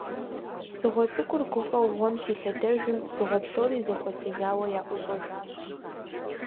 Дзыгъуэ цӀыкӀур гуфӀэу гъуэм щилъэдэжым, дзыгъуэ псори зэхуэсыжауэ яӀущӀэжащ.